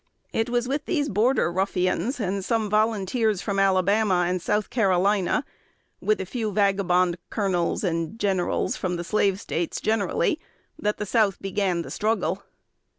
It was with these "Border Ruffians," and some volunteers from Alabama and South Carolina, with a few vagabond "colonels" and "generals" from the Slave States generally, that the South began the struggle.